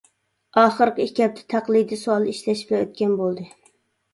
ئاخىرقى ئىككى ھەپتە تەقلىدى سوئال ئىشلەش بىلەن ئۆتكەن بولدى.